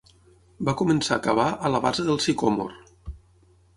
Va començar a cavar a la base del sicòmor.